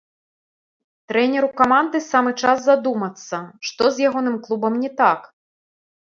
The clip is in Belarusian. Трэнеру каманды самы час задумацца, што з ягоным клубам не так.